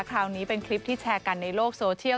คราวนี้เป็นคลิปที่แชร์กันในโลกโซเชียล